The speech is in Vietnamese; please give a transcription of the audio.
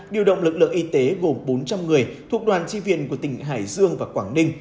điều động lực lượng y tế gồm bốn trăm linh người thuộc đoàn chi viện của tỉnh hải dương và quảng ninh